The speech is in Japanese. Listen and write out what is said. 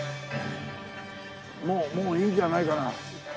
もうもういいんじゃないかな？